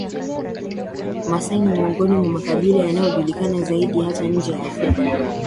maasai ni miongoni mwa makabila yanayojulikana zaidi hata nje ya Afrika